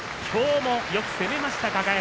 きょうもよく攻めました輝。